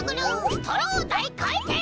ストローだいかいてん！